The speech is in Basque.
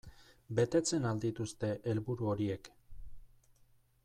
Betetzen al dituzte helburu horiek?